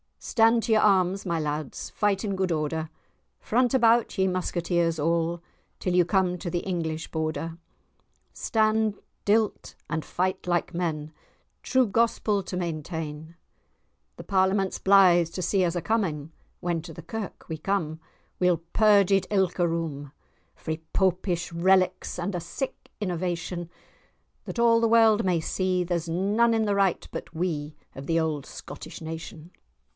Stand to your arms, my lads, Fight in good order; Front about, ye musketeers all, Till ye come to the English Border; Stand till 't, and fight like men, True gospel to maintain. The parliament's blythe to see us a' coming! When to the kirk we come, We'll purge it ilka room, Frae popish relics, and a' sic innovation, That a' the world may see, There's nane in the right but we, Of the auld Scottish nation.